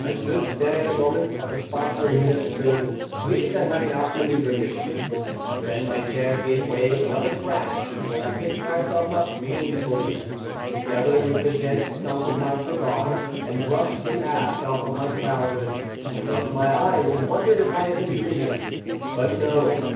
I stood staring a moment at the spot where he had stood, pleased at having out manoeuvred him; then my chair gave way with another crash, and I picked myself up painfully, together with the dead stump of my cigar, and brushed the ash off my trousers, and rubbed my eyes and wondered if I had been dreaming. But no!